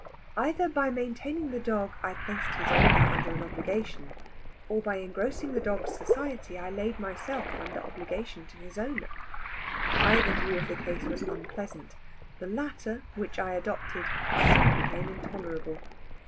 Either by maintaining the dog, I placed his owner under an obligation; or by engrossing the dog's society, I laid myself under obligation to his owner. Either view of the case was unpleasant; the latter, which I adopted, soon became intolerable.